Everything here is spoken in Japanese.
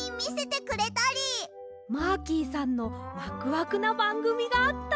マーキーさんのワクワクなばんぐみがあったり！